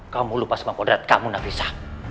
kamu lupa semua kodrat kamu nafisa